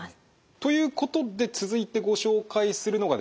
ということで続いてご紹介するのがですね